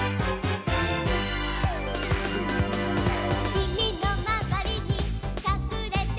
「君のまわりにかくれてる」